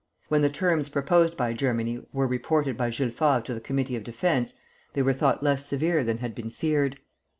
When the terms, proposed by Germany were reported by Jules Favre to the Committee of Defence, they were thought less severe than had been feared.